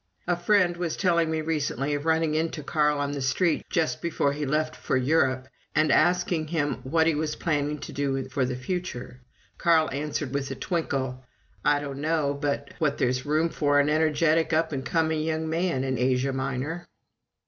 A friend was telling me recently of running into Carl on the street just before he left for Europe and asking him what he was planning to do for the future. Carl answered with a twinkle, "I don't know but what there's room for an energetic up and coming young man in Asia Minor."